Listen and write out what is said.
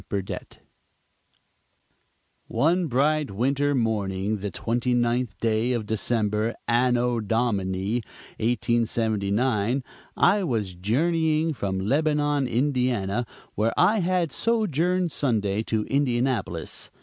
BURDETTE One bright winter morning, the twenty ninth day of December, Anno Domini 1879, I was journeying from Lebanon, Indiana, where I had sojourned Sunday, to Indianapolis.